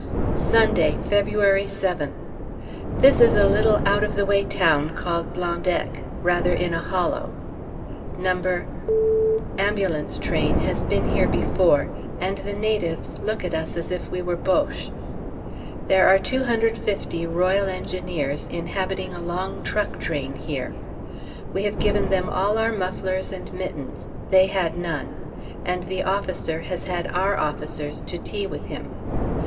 Sunday, February 7th. This is a little out of the way town called Blendecque, rather in a hollow. No. A.T. has been here before, and the natives look at us as if we were Boches. There are 250 R.E. inhabiting a long truck train here. We have given them all our mufflers and mittens; they had none, and the officer has had our officers to tea with him.